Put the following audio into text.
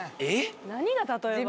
何が「例えば」だよ。